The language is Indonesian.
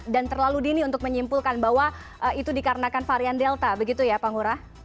dan terlalu dini untuk menyimpulkan bahwa itu dikarenakan varian delta begitu ya pak ngurah